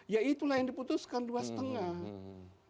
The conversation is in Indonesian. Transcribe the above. ya itulah yang diputuskan dua lima